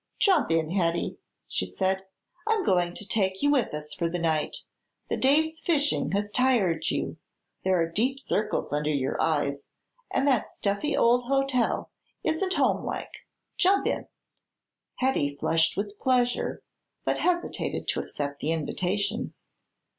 "Jump in, Hetty," she said; "I'm going to take you with us for the night. The day's fishing has tired you; there are deep circles under your eyes; and that stuffy old hotel isn't home like. Jump in." Hetty flushed with pleasure, but hesitated to accept the invitation.